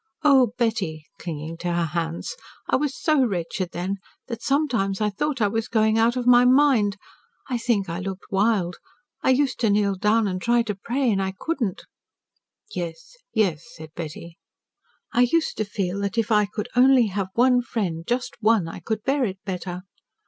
Oh, Betty!" clinging to her hands, "I was so wretched then, that sometimes I thought I was going out of my mind. I think I looked wild. I used to kneel down and try to pray, and I could not." "Yes, yes," said Betty. "I used to feel that if I could only have one friend, just one, I could bear it better.